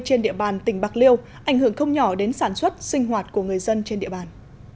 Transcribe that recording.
trên địa bàn tỉnh bạc liêu ảnh hưởng không nhỏ đến sản xuất sinh hoạt của người dân trên địa bàn